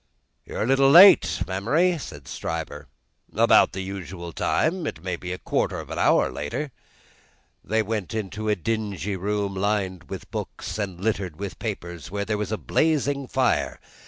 "You are a little late, Memory," said Stryver. "About the usual time; it may be a quarter of an hour later." They went into a dingy room lined with books and littered with papers, where there was a blazing fire.